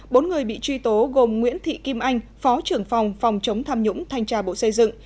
bốn người bị truy tố gồm nguyễn thị kim anh phó trưởng phòng phòng chống tham nhũng thanh tra bộ xây dựng